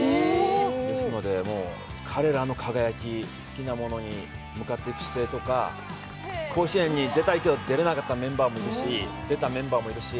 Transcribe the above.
ですので彼らの輝き、好きなものに向かっていく姿勢とか、甲子園に出たいけど出れなかったメンバーもいるし、出たメンバーもいるし